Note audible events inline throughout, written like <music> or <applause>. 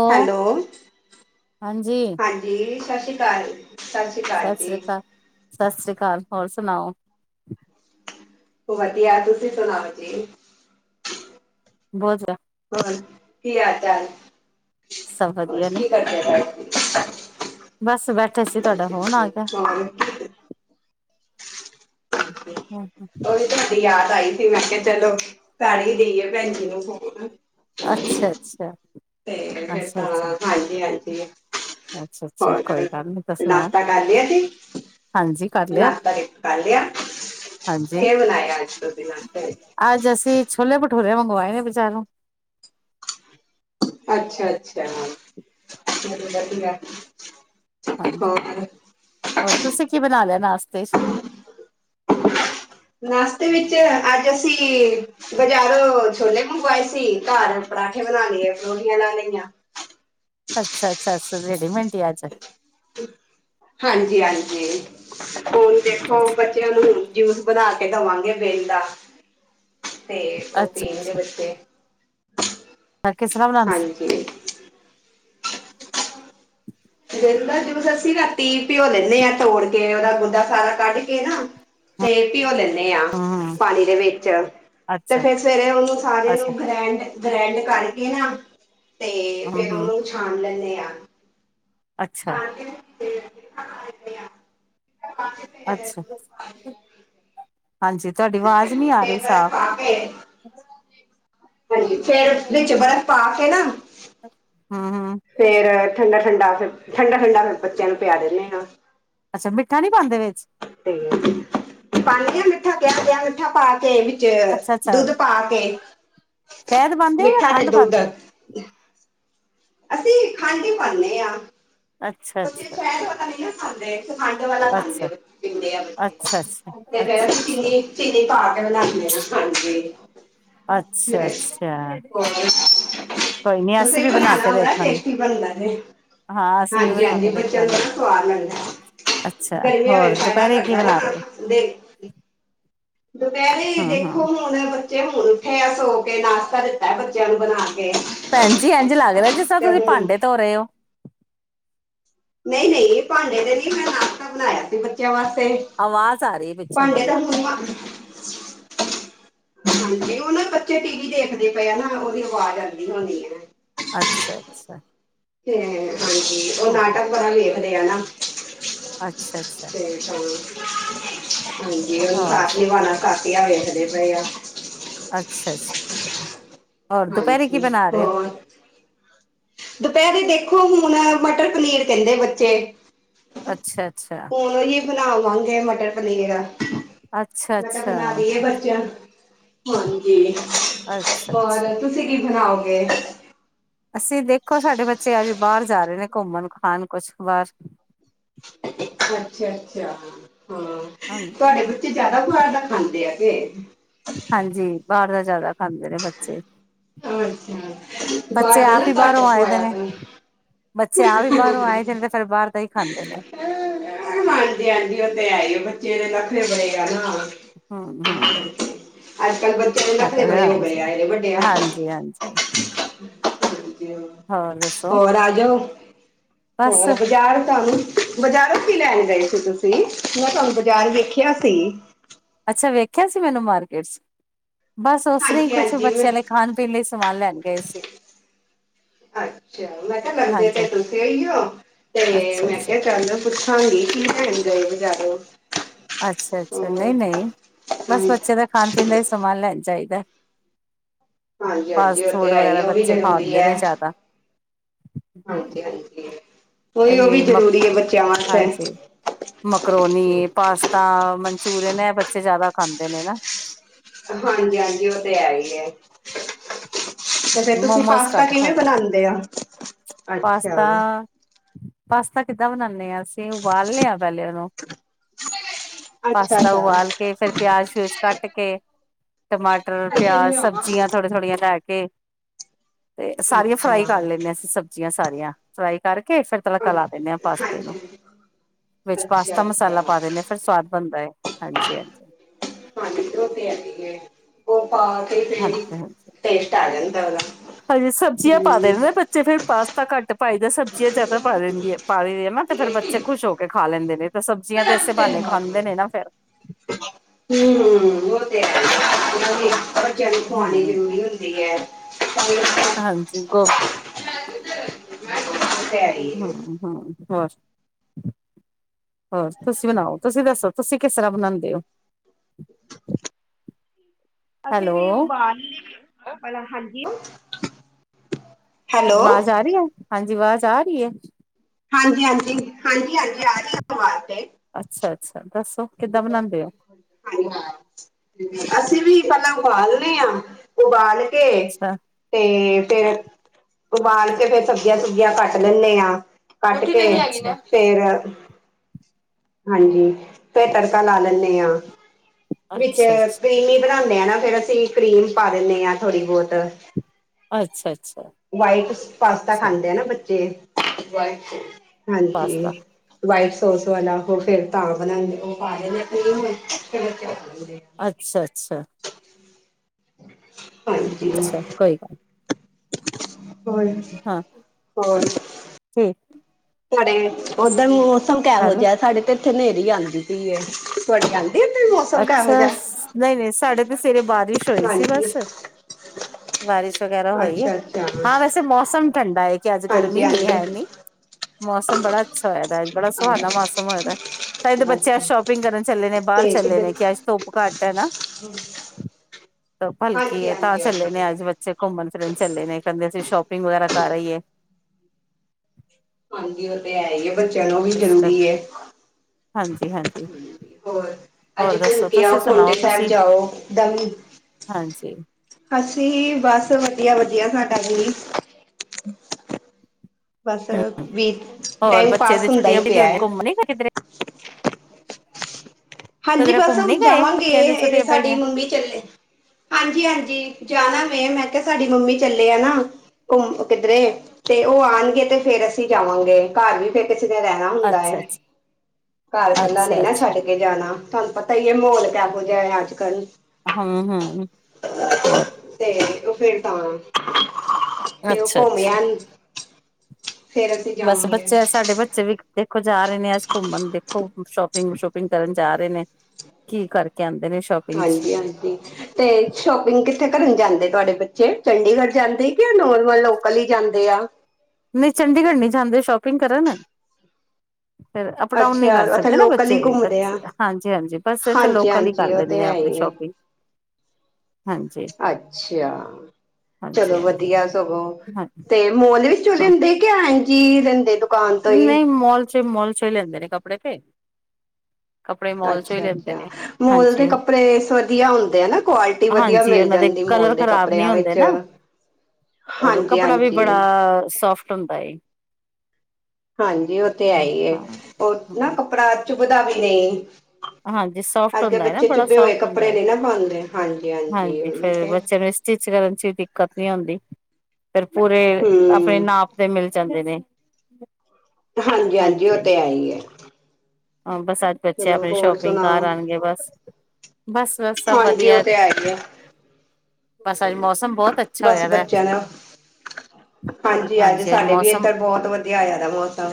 ਉਹ ਹੈਲੋ, ਹਾਂਜੀ ਹਾਂਜੀ, ਸਤਿ ਸ਼੍ਰੀ ਅਕਾਲ ਸ਼੍ਰੀ ਅਕਾਲ ਸਤਿ ਸ੍ਰੀ ਜੀ। ਅਕਾਲ, ਸਤਿ ਸ੍ਰੀ ਅਕਾਲ ਹੋਰ ਸੁਣਾਓ ਵਧੀਆ ਤੁਸੀਂ ਸੁਣਾਓ ਜੀ ਬੋਜ ਹਾਂ ਕੀ ਹਾਲ ਚਾਲ ਸਭ ਹੋਰ ਵਧੀਆ ਨੇ, ਕੀ ਕਰਦੇ ਪਏ ਬਸ ਬੈਠੇ ਸੀ ਤੁਹਾਡਾ ਫੋਨ ਆ ਸੀ? ਕੇ ਹੋਰ ਹਮ ਹਮ ਉਹੀ ਤੁਹਾਡੀ ਯਾਦ ਆਈ ਸੀ ਮੈਂ ਕਿਹਾ ਚਲੋ ਕਰ ਹੀ ਲਈਏ ਭੈਣ ਜੀ ਨੂੰ ਫੋਨ ਅੱਛਾ, ਅੱਛਾ ਤੇ ਫੇਰ ਅੱਛਾ ਤਾਂ ਅੱਛਾ ਹਾਂਜੀ -ਹਾਂਜੀ ਆ ਅੱਛਾ ਅੱਛਾ ਕੋਈ ਹੋਰ ਗੱਲ ਨੀ ਤਾਂ ਸੁਣਾਓ ਨਾਸ਼ਤਾ ਕਰ ਲਿਆ ਸੀ ਹਾਂਜੀ ਕਰ ਲਿਆ ਨਾਸਤਾ ਕਰ ਲਿਆ ਹਾਂਜੀ ਕੀ ਬਣਾਇਆ ਅੱਜ ਦੇ ਨਾਸਤੇ ਚ ਅੱਜ ਅਸੀਂ ਛੋਲੇ ਭਟੂਰੇ ਮੰਗਵਾਏ ਨੇ ਬਜ਼ਾਰੋਂ ਅੱਛਾ ਅੱਛਾ ਵਧੀਆ ਹਾਂਜੀ ਹੋਰ ਹੋਰ ਤੁਸੀਂ ਕੀ ਬਣਾ ਲਿਆ ਨਾਸ਼ਤੇ ਚ ਨਾਸਤੇ ਵਿੱਚ ਅੱਜ ਅਸੀਂ ਬਜ਼ਾਰੋਂ ਛੋਲੇ ਮੰਗਵਾਏ ਸੀ ਘਰ ਪਰਾਂਠੇ ਬਣਾ ਲਏ ਪਰੋਠੀਆਂ ਲਾ ਲਈਆਂ ਅੱਛਾ, ਅੱਛਾ ਰੇਡੀਮੈਂਟ ਹੀ ਅੱਜ ਹਾਂਜੀ -ਹਾਂਜੀ, ਹੁਣ ਅੱਛਾ ਦੇਖੋ ਬੱਚਿਆਂ ਨੂੰ ਜੂਸ ਬਣਾ ਕੇ ਦੇਵਾਂਗੇ ਬੇਲ ਦਾ ਤੇ ਉਹ ਅੱਛਾ ਪੀਣਗੇ ਅੱਛਾ ਬੱਚੇ, ਅੱਛਾ ਕਿਸ ਤਰ੍ਹਾਂ ਬਣਾਉਂਦੇ ਹਾਂਜੀ ਫੇਰ ਤਾ ਜੂਸ ਅਸੀਂ ਰਾਤੀ ਭਿਓ ਲੈਂਦੇ ਹਾਂ ਤੋੜ ਕੇ ਉਹਦਾ ਗੁੰਦਾ ਸਾਰਾ ਕੱਢ ਕੇ ਨਾ। ਹਮ ਤੇ ਭਿਓਂ ਲੈਂਦੇ ਆਂ, ਹਮ ਪਾਣੀ ਦੇ ਵਿੱਚ। ਤੇ ਅੱਛਾ ਫੇਰ ਸਵੇਰੇ ਉਹਨੂੰ ਸਾਰੇ ਅੱਛਾ ਨੂੰ ਗ੍ਰੈਂਡ। ਗਰੈੰਡ ਕਰਕੇ ਨਾ ਤੇ ਹਮ ਫੇਰ ਹਮ ਉਹਨੂੰ ਛਾਣ ਲੈਂਦੇ ਆਂ। ਅੱਛਾ ਹਾਂਜੀ। ਅੱਛਾ, ਹਾਂਜੀ ਤੁਹਾਡੀ ਆਵਾਜ਼ ਨੀ ਆ ਰਹੀ ਸਾਫ਼ ਹ <unintelligible> <unintelligible> ਹਾਂਜੀ ਫੇਰ ਵਿੱਚ ਬਰਫ਼ ਪਾ ਕੇ ਨਾ ਹਮ ਹਮ ਫੇਰ ਠੰਡਾ ਠੰਡਾ ਅ ਠੰਡਾ ਠੰਡਾ ਬੱਚਿਆਂ ਨੂੰ ਪਿਆ ਦਿੰਦੇ ਫੇਰ ਅੱਛਾ ਮਿੱਠਾ ਨੀ ਪਾਉਂਦੇ ਵਿਚ ਤੇ ਪਾ ਗਿਆ ਮਿੱਠਾ ਕਿਹਾ ਗਿਆ ਮਿੱਠਾ ਪਾ ਕੇ ਵੀ ਤੇ ਅੱਛਾ ਅੱਛਾ ਦੁੱਧ ਪਾ ਕੇ, ਸ਼ਹਿਦ ਪਾਉਂਦੇ ਹੋ ਜਾਂ ਮਿੱਠਾ ਤੇ ਖੰਡ ਦੁੱਧ ਪਾਉਂਦੇ ਹੋ ਅਸੀਂ ਖੰਡ ਹੀ ਪਾਂਦੇ ਹਾਂ ਅੱਛਾ, ਅੱਛਾ ਪਤਾ ਨ ਸੁਦੇ <unintelligible> <unintelligible> ਖੰਡ ਵਾਲਾ ਖਾਂਦੇ ਅੱਛਾ ਪੀਂਦੇ ਆ ਬੱਚੇ। ਅੱਛਾ ਅੱਛਾ ਅੱਛਾ ਅੱਛਾ ਚੀਨੀ ਪਾ ਕੇ ਬਣਾਉਦੇ ਹਾਂ ਹਾਂਜੀ। ਅੱਛਾ ਤੇ ਅੱਛਾ <inaudible> ਹੋ ਕੋਈ ਨੀ ਅਸੀਂ ਤੁਸੀਂ ਵੀ ਬਣਾ ਕੇ ਬਣਾਣਾ ਬੜਾ ਦੇਖਾਂਗੇ ਟੇਸਟੀ ਬਣਦਾ ਜੇ। ਹਾਂ ਅਸੀਂ ਵੀ ਹਾਂਜੀ, ਬਣਾ ਹਾਂਜੀ ਕੇ ਬੱਚਿਆਂ ਨੂੰ ਦੇਖਾਂਗੇ ਬੜਾ ਸਵਾਦ ਲੱਗਦਾ। ਅੱਛਾ ਗਰਮੀਆਂ ਹੋਰ ਵਿਚ ਜਿਆਦਾ ਦੁਪਹਿਰੇ ਕੀ ਪੈਦਾ ਬਣਾ ਰਹੇ ਨਾ ਹੋ <unintelligible> ਦੇ ਦੁਪਹਿਰੇ ਹਮ ਦੇਖੋ। ਹਮ ਹੁਣ ਬੱਚੇ ਹੁਣ ਉਠੇ ਆ ਸੋ ਕੇ ਨਾਸ਼ਤਾ ਦਿੱਤਾ ਬੱਚਿਆਂ ਨੂੰ ਬਣਾ ਕੇ। ਭੈਜੀ ਐਂਜ ਲੱਗ ਰਿਹਾ ਜਿਸ ਤਰ੍ਹਾਂ ਤੇ ਤੁਸੀਂ ਹੁਣ ਭਾਂਡੇ ਧੋ ਰਹੇ ਹੋ। ਨਹੀਂ ਨਹੀਂ ਭਾਂਡੇ ਤੇ ਨੀ ਮੈਂ ਨਾਸ਼ਤਾ ਬਣਾਇਆ ਸੀ ਬੱਚਿਆਂ ਵਾਸਤੇ। ਤੇ ਆਵਾਜ਼ ਆ ਰਹੀ ਹੈ ਪਿੱਛੋਂ ਭਾਂਡੇ ਬੜੀ ਦਾ ਹੁਣ ਮਾਂਝ ਰਹੀ। ਹਾਂਜੀ ਉਹ ਨਾ ਬੱਚੇ ਟੀਵੀ ਦੇਖਦੇ ਪਏ ਆ ਨਾ ਉਹਦੀ ਆਵਾਜ਼ ਆਂਦੀ ਹੋਣੀ ਆ। ਅੱਛਾ ਅੱਛਾ। ਤੇ ਹਾਂਜੀ ਉਹ ਹਮ ਨਾਟਕ ਬੜਾ ਵੇਖਦੇ ਆ ਨਾ। ਅੱਛਾ ਅੱਛਾ। ਹਾਂਜੀ ਉਹ ਹੋਰ ਕਾ ਨਿਵਾਣਾ <unintelligible> ਕਾਪੀਆ ਵੇਖਦੇ ਪਏ ਆ ਅੱਛਾ ਅੱਛਾ। ਹਾਂਜੀ ਬਣਾ ਰਹੇ ਹੋ ਹੋਰ? ਦੁਪਹਿਰੇ ਦੇਖੋ ਹੁਣ, ਮਟਰ ਪਨੀਰ ਕਹਿੰਦੇ ਬੱਚੇ। ਅੱਛਾ ਅੱਛਾ। ਉਹੀ ਬਣਾਵਾਂਗੇ ਮਟਰ ਪਨੀਰ ਅੱਛਾ ਮੈ ਕਿਹਾ ਅੱਛਾ ਬਣਾ ਦਈਏ ਬੱਚਿਆਂ ਨੂੰ। ਹਾਂਜੀ ਅੱਛਾ ਅੱਛਾ ਹੋਰ ਤੁਸੀਂ ਕੀ ਬਣਾਓਗੇ? ਅਸੀਂ ਦੇਖੋ, ਸਾਡੇ ਬੱਚੇ ਅੱਜ ਬਾਹਰ ਜਾ ਰਹੇ ਨੇ ਘੁੰਮਣ ਖਾਣ ਕੁਛ ਬਾਹਰ। ਅੱਛਾ, ਅੱਛਾ ਹਾਂ ਹਾਂਜੀ ਤੁਹਾਡੇ ਬੱਚੇ ਜਿਆਦਾ ਬਾਹਰ ਦਾ ਖਾਂਦੇ ਆ ਕਿ। ਹਾਂਜੀ ਬਾਹਰ ਦਾ ਜ਼ਿਆਦਾ ਖਾਂਦੇ ਨੇ ਬੱਚੇ। ਅੱਛਾ, ਬੱਚੇ ਬਾਹਰ ਦਾ ਆਪ ਨਾ ਹੀ ਘੱਟ ਬਾਹਰੋਂ ਆਏ ਦੇ ਖਵਾਇਆ ਨੇ ਕਰੋ। ਬੱਚੇ ਆਪ ਵੀ ਬਾਹਰੋਂ ਆਏ ਨੇ ਤੇ ਫੇਰ ਬਾਹਰ ਦਾ ਹੀ ਖਾਂਦੇ ਨੇ। ਹਾਂਜੀ, ਹਾਂਜੀ ਉਹ ਤੇ ਹੈ ਹੀ ਬੱਚੇ ਦੇ ਨਖਰੇ ਬੜੇ ਆ ਨਾ। ਹਮ ਹਮ ਅੱਜ ਕੱਲ। ਤੇਰੇ ਸਾਡਾ ਨਖਰੇ ਵੀ ਬੜੇ ਹੋ ਹਾਂਜੀ ਗਏ ਆ, ਇਨੇ ਵੱਡੇ ਆ। ਹਾਂਜੀ ਹਾਂਜੀ ਹੋਰ ਦੱਸੋ ਹੋਰ ਆ ਜਾਓ? ਬਸ ਹੋਰ ਬਾਜ਼ਾਰ ਤੁਹਾਨੂੰ ਬਾਜ਼ਰੋ ਕੀ ਲੈਣ ਗਏ ਸੀ, ਤੁਸੀਂ ਮੈਂ ਤੁਹਾਨੂੰ ਬਾਜ਼ਾਰ ਵੇਖਿਆ ਸੀ। ਅੱਛਾ ਵੇਖਿਆ ਸੀ, ਮੈਨੂੰ ਮਾਰਕੀਟ ਚ? ਬਸ ਉਸ ਤਰ੍ਹਾਂ ਹੀ ਹਾਂਜੀ ਕੁਛ ਹਾਂਜੀ ਮੈਂ ਬੱਚਿਆਂ ਲਈ ਖਾਣ ਪੀਣ ਲਈ ਸਮਾਨ ਲੈਣ ਗਏ ਸੀ। ਅੱਛਾ, ਮੈਂ ਕਿਆ ਲੱਗਦੇ ਹਾਂਜੀ ਤੇ ਤੁਸੀਂਓ ਈ ਔ, ਤੇ ਅੱਛਾ ਮੈਂ ਅੱਛਾ ਕਿਆ ਚੱਲ ਪੁੱਛਾਂਗੀ, ਕੀ ਲੈਣ ਗਏ ਬਜ਼ਾਰੋਂ? ਅੱਛਾ-ਅੱਛਾ, ਨਈ-ਨਈ, ਬਸ ਹਾਂਜੀ ਬੱਚੇਆਂ ਦਾ ਖਾਣ ਪੀਣ ਦਾ ਈ ਸਮਾਨ ਲੈਣ ਜਾਈਦਾ ਏ। ਹਾਂਜੀ-ਹਾਂਜੀ, ਔਹ ਤੇ ਫੂਡ ਹੈ ਈ ਏ, ਵਗੈਰਾ ਉਹ ਵੀ ਬੱਚੇ ਜਰੂਰੀ ਖਾਂਦੇ ਐ। ਨੇ ਜਾਦਾ ਹਾਂਜੀ-ਹਾਂਜੀ, ਉਹੀ ਉਹ ਵੀ ਏਈ ਜ਼ਰੂਰੀ ਮਕ ਐ, ਬੱਚੇਆਂ ਵਾਸਤੇ। ਹਾਂਜੀ ਮਕਰੋਨੀ, ਪਾਸਤਾ, ਮਨਚੂਰੀਅਨ, ਇਹ ਬੱਚੇ ਜ਼ਿਆਦਾ ਖਾਂਦੇ ਨੇ ਨਾ। ਹਾਂਜੀ ਹਾਂਜੀ, ਉਹ ਤੇ ਹੈ ਹੀ ਐ। ਅੱਛਾ, ਫੇਰ ਤੁਸੀਂ ਮੋਮੋਸ ਪਾਸਤਾ ਕਿਵੇਂ ਬਣਾਉਂਦੇ ਹੋ? ਅੱਛਾ ਪਾਸਤਾ ਪਾਸਤਾ ਕਿੱਦਾਂ ਬਣਾਉਦੇ ਹਾ ਅਸੀਂ ਉਬਾਲ ਲਿਆ ਪਹਿਲੇ ਉਹਨੂੰ। ਅੱਛਾ ਪਾਸਤਾ ਉਬਾਲ ਕੇ ਫੇਰ ਪਿਆਜ ਪਊਜ ਕੱਟ ਕੇ। ਟਮਾਟਰ ਅੱਛਾ ਪਿਆਜ਼ ਸਬਜ਼ੀਆਂ ਥੋੜੀਆਂ ਥੋੜੀਆਂ ਲੈ ਕੇ। ਤੇ ਸਾਰੀਆਂ ਫਰਾਈ ਕਰ ਅੱਛਾ ਲੈਂਦੇ ਸਬਜ਼ੀਆਂ ਸਾਰੀਆਂ ਫਰਾਈ ਕਰਕੇ ਫਿਰ। ਤੜਕਾ ਲਾ ਦਿੰਦੇ ਆ ਪਾਸਤੇ ਨੂੰ, ਹਾਂਜੀ ਵਿੱਚ ਅੱਛਾ ਪਾਸਤਾ ਅੱਛਾ ਮਸਾਲਾ ਪਾ ਦਿੰਦੇ ਹਾਂ ਫਿਰ ਸਵਾਦ ਬਣਦਾ ਐ। ਹਾਂਜੀ, ਹਾਂਜੀ। ਹਾਂਜੀ, ਉਹ ਤੇ ਹੈਗੀ ਏ, ਉਹ ਪਾ ਕੇ ਫੇਰ ਹਾਂਜੀ ਹਾਂਜੀ ਟੇਸਟ ਆ ਜਾਂਦਾ ਉਹਦਾ। ਹਾਂਜੀ ਸਬਜ਼ੀਆਂ ਹੂੰ ਪਾਦੇ ਨੇ ਨਾ ਬੱਚੇ। ਤੇ ਫਿਰ ਪਾਸਤਾ ਕੱਟ ਪਾਈ ਦਾ, ਸਬਜ਼ੀਆਂ ਜਾਦਾ ਪਾ ਦਿੰਦੀਆਂ, ਪਾਦੇਦੀਆਂ ਨਾ, ਤੇ ਫੇਰ ਬੱਚੇ ਖੁਸ਼ ਹੋ ਕੇ ਖਾ ਲੈਂਦੇ ਨੇ। ਤੇ ਸਬਜ਼ੀਆਂ ਤੇ ਏਸੇ ਬਾਨੇ ਖਾਂਦੇ ਨੇ ਨਾ ਫੇਰ। ਹੂੰ, ਉਹ ਤੇ ਹੈ ਈ ਏ <unintelligible> ਬੱਚੇਆਂ ਨੂੰ ਖਵਾਣੀ ਹਮ ਜ਼ਰੂਰੀ ਹੁੰਦੀ ਐ। <unintelligible> <inaudible> ਹਾਂਜੀ ਗੋ ਉਹ ਤੇ ਹੈਂ ਹਾ-ਹਾ ਹੋਰ, ਹੋਰ ਤੁਸੀਂ ਬਣਾਓ, ਤੁਸੀਂ ਦੱਸੋ? ਤੁਸੀਂ ਕਿਸ ਰ੍ਹਾਂ ਬਨਾਂਦੇ ਹੋ? <inaudible> ਅਸੀਂ ਹੈਲੋ ਵੀ ਉਬਾਲ <unintelligible> ਪਲਾ ਹਾਂਜੀ ਹੈਲੋ ਵਾਜ ਆ ਰਈ ਐ, ਹਾਂਜੀ ਵਾਜ ਆ ਰਈ ਐ? ਹਾਂਜੀ-ਹਾਂਜੀ, ਹਾਂਜੀ-ਹਾਂਜੀ, ਆ ਰਈ ਐ ਵਾਜ ਤੇ। ਅੱਛਾ-ਅੱਛਾ, ਦੱਸੋ? ਕਿੱਦਾਂ ਬਣਾਉਂਦੇ ਹੋ ਅਸੀਂ ਵੀ ਪੈਲਾਂ ਉਬਾਲਨੇ ਆ। ਉਬਾਲ ਕੇ ਅੱਛਾ ਤੇ ਫੇਰ, ਉਬਾਲ ਕੇ ਫੇਰ ਸਬਜ਼ੀਆਂ ਸੁਬਜ਼ੀਆਂ ਕੱਟ ਦੇਣੇ ਆ। ਕੱਟ ਕੇ ਅੱਛਾ ਫੇਰ ਹਾਂਜੀ, ਤੇ ਤੜਕਾ ਲਾ ਲੈਂਨੇ ਆ। ਵਿੱਚ ਅੱਛਾ ਅੱਛਾ ਕਰੀਮੀ ਬਣਾਣੇ ਆ ਨਾ ਫੇਰ ਅਸੀਂ, ਕਰੀਮ ਪਾ ਦੇਣੇ ਆ ਥੋੜ੍ਹੀ ਬੋਤ। ਅੱਛਾ-ਅੱਛਾ। ਵਾਈਟ ਪਾਸਤਾ ਖਾਂਦੇ ਆ ਨਾ ਬੱਚੇ, ਵਾਈਟ, ਹਾਂਜੀ। ਪਾਸਤਾ ਵਾਈਟ ਸੋਸ ਵਾਲਾ, ਉਹ ਫੇਰ ਤਾਂ ਬਣਾਣੇ, ਉਹ ਪਾ ਦਿੰਨੇ ਆ ਕਰੀਮ ਚਲੋਂ <inaudible> ਅੱਛਾ ਅੱਛਾ ਹਾਂ ਅੱਛਾ ਕੋਈ ਗੱਲ ਹੋਏ ਹੋਰ? ਥੇ। ਤੁਹਾਡੇ, ਔਦਰ ਮੌਸਮ ਕੇਹੋ ਹੈਲੋ ਜਿਆ ਏ, ਸਾਡੇ ਤੇ ਏਥੇ ਨੇਰੀ ਆਂਦੀ ਪਈ ਏ, ਤੁਹਾਡੇ ਆਂ ਅੱਛਾ, ਨਈ-ਨਈ ਸਾਡੇ ਤੇ ਸਵੇਰੇ ਬਾਰਿਸ਼ ਹੋਈ ਸੀ ਹਾਂਜੀ ਬਸ। ਬਾਰਿਸ਼ ਵਗੈਰਾ ਹੋਈ ਏ? ਅੱਛਾ ਅੱਛਾ ਹਾਂ, ਵੈਸੇ ਮੌਸਮ ਠੰਡਾ ਐ, ਕੇ ਅੱਜ ਹਾਂਜੀ ਗਰਮੀ ਨਈ ਹਾਂਜੀ ਹੈ ਇੰਨੀ, ਮੌਸਮ ਬੜਾ ਅੱਛਾ ਹੋਇਆ ਦਾ। ਬੜਾ ਸੁ ਚੱਲੇ ਅੱਛਾ ਤੇ ਕਿੱਧਰ ਨੇ, ਕੇ ਅੱਜ ਤੁੱਪ ਕੱਟ ਐ ਨਾ। ਤੁੱਪ ਹਲਕੀ ਹਾਂਜੀ ਏ, ਤਾਂ ਹਾਂਜੀ ਚੱਲੇ ਹਾਂਜੀ ਨੇ, ਅੱਜ ਬੱਚੇ ਘੁੰਮਣ ਫਿਰਨ ਚੱਲੇ ਨੇ, ਕੈੰਦੇ ਅਸੀਂ ਸ਼ੋਪਿੰਗ ਵਗੈਰਾ ਕਾਰ ਆਈਏ। ਹਾਂਜੀ, ਓਹ ਤੇ ਹੈ ਈ ਏ, ਬੱਚੇਆਂ ਨੂੰ ਔਹ ਵੀ ਜ਼ਰੂਰੀ ਏ। ਹਾਂਜੀ-ਹਾਂਜੀ। ਹੋਰ ਅੱਜ ਘੁੰਮ ਕੇ ਆਓ, ਪੋੰਡੇ ਸੈਬ ਤੁਸੀਂ ਜਾਓ। ਦਮ ਹਾਂਜੀ ਅਸੀਂ ਬਸ ਵਧੀਆ ਵਧੀਆ ਸਾਡਾ ਵੀ। ਬਸ ਵੀ, ਟਾਈਮ ਪਾਸ ਹੁੰਦਾ ਹੀ ਪਿਆ। ਮਲੇ ਗਾ ਕਿਦਰੇ। ਹਾਂਜੀ, ਕਿਧਰੇ ਬਸ ਘੁੰਮ ਹੁਣ ਨੀ ਗਏ ਜਾਵਾਂਗੇ ਬੱਚਿਆਂ ਦੀਆਂ ਇਹਦੇ ਛੁੱਟੀਆਂ ਪਈ ਸਾਡੀ ਦੀਆਂ ਮੰਮੀ ਚੱਲੇ। ਹਾਂਜੀ-ਹਾਂਜੀ, ਜਾਣਾ ਵੇਂ, ਮੈਂ ਕੇਆ ਸਾਡੀ ਮੰਮੀ ਚੱਲੇ ਐ ਨਾ। ਘੁੰਮ ਅ ਕਿੱਦਰੇ, ਤੇ ਓਹ ਆਣਗੇ, ਤੇ ਫੇਰ ਅਸੀਂ ਜਾਵਾਂਗੇ। ਕਾਰ ਵੀ ਫੇਰ ਕਿਸੇ ਨੇ ਰਹਿਣਾ ਹੁੰਦਾ ਐ, ਅੱਛਾ ਅੱਛਾ ਕਾਰ ਕੱਲਾਂ ਨੀ ਅੱਛਾ ਨਾ ਅੱਛਾ ਛੱਡ ਕੇ ਜਾਣਾ। ਤੁਹਾਨੂੰ ਪਤਾ ਈ ਏ, ਮਾਹੌਲ ਕੇਹੋ ਜੇਆ ਐ ਅੱਜ ਕੱਲ? ਹੂੰ-ਹੂੰ, ਹੋਰ? ਤੇ ਉਹ ਫੇਰ ਤਾਂ ਤੇ ਉਹ ਅੱਛਾ ਅੱਛਾ ਘੁੰਮਿਆ ਬਸ ਬੱਚੇ ਐ, ਸਾਡੇ ਬੱਚੇ ਵੀ ਦੇਖੋ ਜਾ ਰੇ ਨੇ ਅੱਜ ਘੁੰਮਣ ਦੇਖੋ, ਸ਼ੋਪਿੰਗ ਸ਼ੁਪਿੰਗ ਕਰਨ ਜਾ ਰੇ ਨੇ। ਕੀ ਕਰਕੇ ਆਂਦੇ ਨੇ ਸ਼ੋਪ ਹਾਂਜੀ-ਹਾਂਜੀ। ਤੇ ਸ਼ੋਪਿੰਗ ਕਿੱਥੇ ਕਰਨ ਜਾਂਦੇ ਤੁਹਾਡੇ ਬੱਚੇ? ਚੰਡੀਗੜ੍ਹ ਜਾਂਦੇ, ਕੇ ਏਹ ਨੋਰਮਲ ਲੋਕਲ ਈ ਜਾਂਦੇ ਆ? ਨਈਂ ਚੰਡੀਗੜ੍ਹ ਨੀਂ ਜਾਂਦੇ, ਸ਼ੋਪਿੰਗ ਕਰਨ। ਫੇਰ ਅਪ-ਡਾਊਨ ਨੀਂ ਅੱਛਾ ਕਰ ਉੱਥੇ ਸਕਦੇ ਨਾਂ ਲੋਕਲ ਬੱਚੇ, ਹੀ ਘੁੰਮਦੇ ਬੱਚ ਆ ਹਾਂਜੀ ਹਾਂਜੀ, ਬਸ ਐਥੇ ਹਾਂਜੀ ਲੋਕਲ ਹੀ ਕਰ ਹਾਂਜੀ ਉਹ ਤੇ ਲੈਂਦੇ ਐ, ਹੈ ਅਪਣੀ ਹੀ ਹੈ ਸ਼ੋਪ ਠੀ ਅੱਛਾ, ਚਲੋ ਹਾਂਜੀ ਹਾਂਜੀ ਵਧੀਆ ਸਗੋਂ ਤੇ ਮੋਲ ਵਿੱਚ ਹਾਂ। ਠੀਕ ਹੈ ਹਾਂਜੀ ਰੰਦੇ ਦੋ। ਨਈਂ ਮੋਲ ਚ ਮੋਲ ਚ ਈ ਲੈਂਦੇ ਨੇਂ ਕੱਪੜੇ ਤੇ। <inaudible> ਕੱਪੜੇ ਮੋਲ ਚੋਂ ਹੀ ਅੱਛਾ ਲੈਂਦੇ ਨੇ ਅੱਛਾ, ਮੋਲ ਹਾਂਜੀ ਦੇ ਹਾਂਜੀ ਕੱਪੜੇ ਸਵਧੀਆ ਹੁੰਦੇ ਐ ਨਾਂ ਕੁਵਾਲਿਟੀ ਵਧੀਆ ਹਾਂਜੀ ਮਿਲ ਉਹਨਾਂ ਦੇ ਜਾਂਦੀ ਮੋਲ ਕਲਰ ਦੇ ਖ਼ਰਾਬ ਨੀਂ ਕੱਪੜਿਆਂ ਹੁੰਦੇ ਵਿੱਚ ਨਾਂ, ਔਰ ਹਾਂਜੀ ਕੱਪੜਾ ਵੀ ਹਾਂਜੀ ਬੜਾ, ਸੋਫਟ ਹੁੰਦਾ ਏ। ਹਾਂਜੀ, ਉਹ ਤੇ ਹੈ ਹੀ ਏ। ਹਾਂ ਓਹ ਨਾਂ ਕੱਪੜਾ ਚੁੱਭਦਾ ਵੀ ਨਈਂ। <unintelligible> ਹਾਂਜੀ ਸੋਫਟ ਅੱਗੇ ਹੁੰਦਾ ਹੈ ਨਾ ਬੱਚੇ ਬੜਾ ਚੁਬਦੇ ਹੋਏ ਸੋਫਟ ਹੁੰਦਾ ਕੱਪੜੇ ਹੈ ਨੀਂ ਨਾਂ ਪਾੰਦੇ, ਹਾਂਜੀ ਹਾਂਜੀ ਓਹੀਓ ਤੇ। ਚਿਚ ਕਰਨ ਚ ਦਿੱਕਤ ਨੀਂ ਔੰਦੀ ਫਿਰ ਪੂਰੇ ਆਪਣੇ ਹੂੰ ਨਾਪ ਤੇ ਮਿਲ ਜਾਂਦੇ ਨੇਂ। ਹਾਂਜੀ ਹਾਂਜੀ ਉਹ ਤੇ ਹੈ ਈ ਏ। ਹਾਂ, ਬਸ ਅੱਜ ਬੱਚੇ ਚਲੋ, ਆਪਣੀ ਹੋਰ ਸ਼ੋਪਿੰਗ ਘਰ ਸੁਣਾਓ? ਆਣਗੇ ਬਸ ਬਸ ਬਸ ਸਭ ਹਾਂਜੀ ਵਧੀਆ। ਉਹ ਤੇ ਹੈ ਈ ਏ ਬਸ ਅੱਜ ਮੌਸਮ ਬਹੁਤ ਅੱਛਾ ਬਸ ਹੋਇਆ ਦਾ ਬੱਚਿਆਂ ਨਾਂ ਹਾਂਜੀ, ਅੱਜ ਸਾਡੇ ਵੀ ਏਧਰ ਬੌਤ ਵਧੀਆ ਹੋਯੈ ਦਾ ਮੌਸਮ,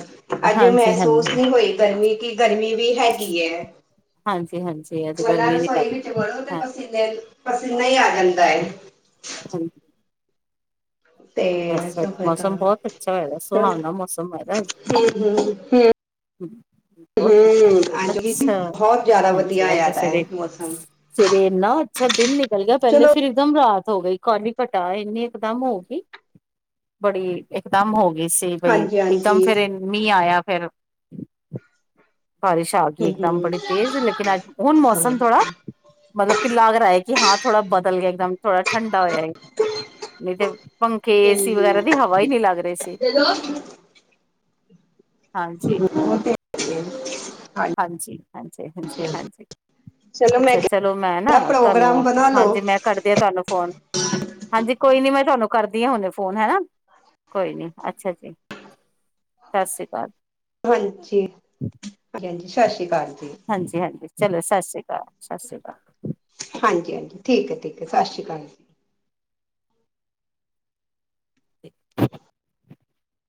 ਅੱਜੇ ਹਾਂਜੀ ਮਹਿਸੂਸ ਹਾਂਜੀ ਨਹੀਂ ਹੋਈ ਗਰਮੀ। ਕਿ ਗਰਮੀ ਵੀ ਹੈਗੀ ਐ। ਹਾਂਜੀ ਹਾਂਜੀ। ਅੱਜ ਵਰਨਾ ਗਰਮੀ ਨੀ ਰਸੋਈ ਵਿੱਚ ਲੱਗਦੀ ਵੜੋ ਤੇ ਪਸੀਨੇ, ਪਸੀਨਾ ਈ ਆ ਜਾਂਦਾ ਏ। ਹਂ ਤੇ ਬਸ ਅੱਜ ਤਾਂ ਮੌਸਮ ਬੌਤ ਅੱਛਾ ਹੋਯੈ ਦੈ, ਹੂੰ ਸੁਹਾਵਨਾ ਮੌਸਮ ਹੋਯੈਦੈ ਅੱਜ। ਹੂੰ ਬੌਤ ਹੂੰ ਅੱਜ ਵੀ ਅੱਛਾ, ਬਹੁਤ ਜ਼ਿਆਦਾ ਹਾਂਜੀ ਵਧੀਆ ਆ ਹੋਇਆ ਦਾ ਤੁਸੀਂ ਹੈ ਵੀ ਮੌਸਮ ਫੇਰ ਏਨਾਂ ਅੱਛਾ ਦਿਨ ਨਿਕਲ ਗਿਆ ਪੈਲੇ ਚਲੋ ਫਿਰ ਇਕਦਮ ਰਾਤ ਹੋ ਗਈ, ਕਾਲੀ ਘੱਟਾ ਇੰਨੀ ਇਕਦਮ ਹੋ ਗੀ। ਬੜੀ ਇਕਦਮ ਹੋ ਗਈ ਸੀ ਬਈ, ਹਾਂਜੀ ਇਕਦਮ ਹਾਂਜੀ ਫੇਰ ਅਨ ਮੀਂਹ ਆਇਆ ਫੈਰ ਬਾਰਿਸ਼ ਆ ਗੀ ਹੂੰ ਇੱਕਦਮ ਬੜੀ ਤੇਜ਼, ਲੇਕਿਨ ਅੱਜ ਹੁਣ ਮੌਸਮ ਥੋੜਾ ਮਤਲਬ ਕਿ ਲੱਗ ਰਾ ਹੈ ਕਿ ਹਾਂ ਥੋੜਾ ਬਦਲ ਗਿਐ ਇੱਕਦਮ ਥੋੜਾ ਠੰਡਾ ਹੋਯੈ ਏ। ਨਈਂ ਤੇ ਪੰਖੇ, ਏਸੀ ਵਗੈਰਾ ਦੀ ਹਵਾ ਈ ਨਈਂ ਲੱਗ ਰਹੀ ਸੀ। ਹੈਲੋ <unintelligible> <inaudible> ਹਾਂਜੀ ਹੁਣ ਤੇ <unintelligible> ਹਾਂਜੀ ਹਾਂਜੀ ਹਾਂਜੀ ਹਾਂਜੀ ਅੱਛਾ ਚਲੋ ਮੈਂ ਕਿਹਾ ਨਾ ਤੁਹਾਨੂੰ ਪ੍ਰੋਗਰਾਮ ਬਣਾ ਲੋ ਹਾਂਜੀ ਮੈਂ ਕਰਦੀਆਂ ਤੁਹਾਨੂੰ ਫੋਨ ਹਾਂਜੀ ਕੋਈ ਨੀ ਮੈਂ ਤੁਹਾਨੂੰ ਕਰਦੀ ਹਾਂ ਹੁਣੇ ਫੋਨ ਹੈ ਨਾ ਕੋਈ ਨੀ ਅੱਛਾ ਜੀ ਸਤਿ ਸ਼੍ਰੀ ਅਕਾਲ ਹਾਂਜੀ ਹਾਂਜੀ, ਸਤਿ ਸ਼੍ਰੀ ਅਕਾਲ ਜੀ। ਹਾਂਜੀ ਹਾਂਜੀ, ਚਲੋ ਸਤਿ ਸ਼੍ਰੀ ਅਕਾਲ, ਸਤਿ ਸ਼੍ਰੀ ਅਕਾਲ। ਹਾਂਜੀ ਹਾਂਜੀ, ਠੀਕ ਏ, ਠੀਕ ਏ, ਸਤਿ ਸ਼੍ਰੀ ਅਕਾਲ ਜੀ। <unintelligible>